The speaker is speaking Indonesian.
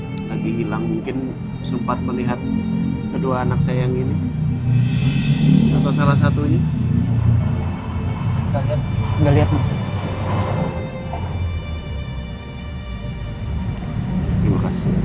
lagi hilang mungkin sempat melihat kedua anak sayang ini atau salah satunya